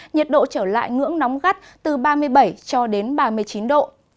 nhiệt độ trở lại ngưỡng nóng gắt từ ba mươi bảy cho đến ba mươi chín độ